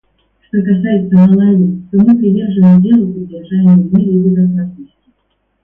Что касается Малави, то мы привержены делу поддержания мира и безопасности.